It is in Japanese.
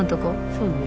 そうね。